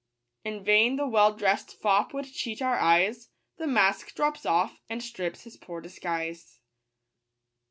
In vain the well dress'd fop would cheat our eyes ; The mask drops off, and strips his poor disguise.